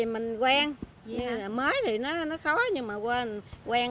mình quen mới thì nó khó nhưng mà quên